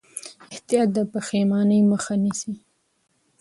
احتیاط د پښېمانۍ مخه نیسي.